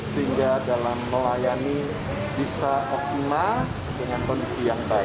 sehingga dalam melayani bisa optimal dengan kondisi yang baik